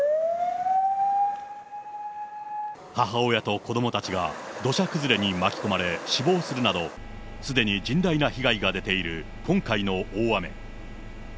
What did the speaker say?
母親と子どもたちが土砂崩れに巻き込まれ死亡するなど、すでに甚大な被害が出ている今回の大雨。